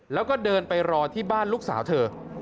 แล้วก็เดินไปรอที่บ้านลูกสาวเธอ